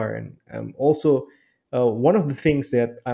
salah satu hal yang saya